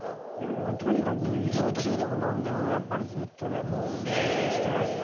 もうとにかく移動中でも何でもやっぱりずっとね耳にしてますよ